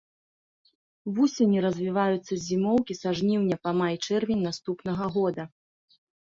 Вусені развіваюцца з зімоўкі са жніўня па май-чэрвень наступнага года.